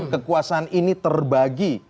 kekuasaan ini terbagi